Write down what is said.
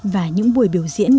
và những buổi biểu diễn